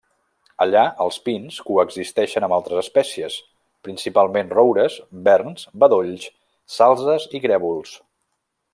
Allà, els pins coexisteixen amb altres espècies, principalment roures, verns, bedolls, salzes i grèvols.